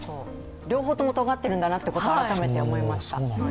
両方ともとがってるんだなってことを改めて思いました。